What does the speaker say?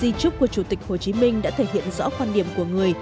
di trúc của chủ tịch hồ chí minh đã thể hiện rõ quan điểm của người